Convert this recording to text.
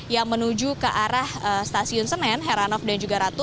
yang menuju ke arah stasiun senen heranov dan juga ratu